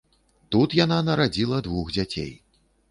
Тут яна нарадзіла двух дзяцей.